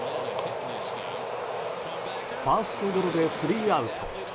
ファーストゴロでスリーアウト。